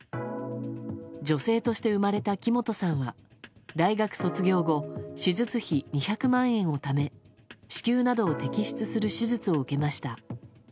女性として生まれた木本さんは大学卒業後手術費２００万円をため子宮などを摘出する手術を受けました。